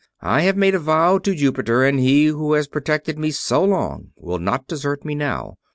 I have made a vow to Jupiter, and he who has protected me so long will not desert me now.